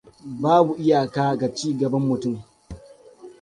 Babu iyaka ga ci gaban mutum.